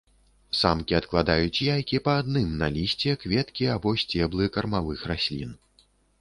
Самкі адкладаюць яйкі па адным на лісце, кветкі або сцеблы кармавых раслін.